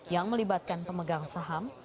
yang melibatkan pemegang saham